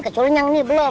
kecuali yang ini belum